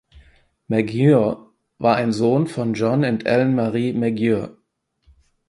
Maguire war ein Sohn von John und Ellen Marie Maguire.